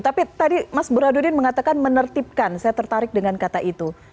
tapi tadi mas burhadudin mengatakan menertibkan saya tertarik dengan kata itu